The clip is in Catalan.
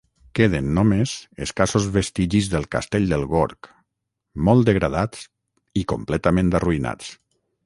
Queden només escassos vestigis del castell del Gorg, molt degradats i completament arruïnats.